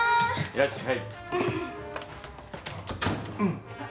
・いらっしゃい。